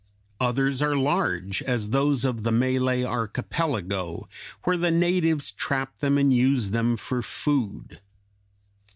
Others are large, as those of the Malay Archipelago, where the natives trap them and use them for food.